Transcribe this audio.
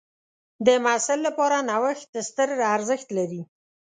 د محصل لپاره نوښت ستر ارزښت لري.